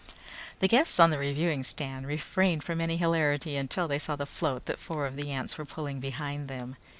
The guests on the reviewing stand refrained from any hilarity until they saw the float that four of the ants were pulling behind them.